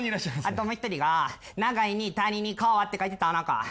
あともう一人が「長い」に「谷」に「川」って書いてタナカ。